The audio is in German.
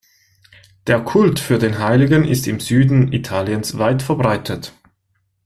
Der Kult für den Heiligen ist im Süden Italiens weit verbreitet.